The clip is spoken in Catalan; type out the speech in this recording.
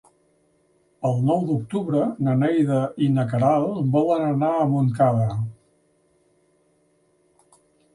El nou d'octubre na Neida i na Queralt volen anar a Montcada.